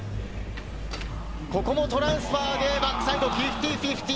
ここもトランスファーでバックサイド５０−５０。